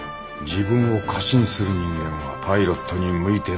自分を過信する人間はパイロットに向いてない。